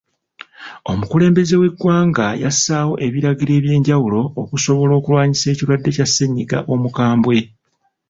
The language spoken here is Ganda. Omukulemelembeze w'eggwanga yassaawo ebiragiro eby'enjawulo okusobola okulwanyisa ekirwadde kya ssennyiga omukambwe.